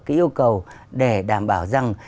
cái yêu cầu để đảm bảo rằng